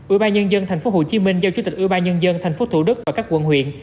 ủy ban nhân dân tp hcm giao chủ tịch ủy ban nhân dân tp thủ đức và các quận huyện